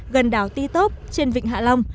gần đảo ti tốp trên vịnh hạ long